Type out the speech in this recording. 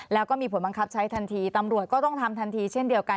แล้วก็มีผลบังคับใช้ทันทีตำรวจก็ต้องทำทันทีเช่นเดียวกัน